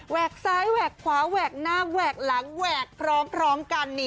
กซ้ายแหวกขวาแหวกหน้าแหวกหลังแหวกพร้อมกัน